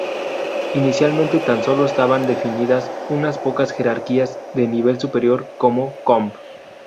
Inicialmente tan sólo estaban definidas unas pocas jerarquías de nivel superior como comp.